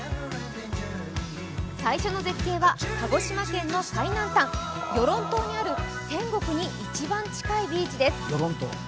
最初の絶景は鹿児島県の最南端、与論島にある天国に一番近いビーチで。